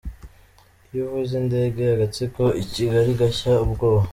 Iyo uvuze « indege » agatsiko k’i Kigali gashya ubwoba.